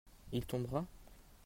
Il tombera ?